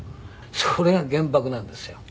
それが原爆なんですよ。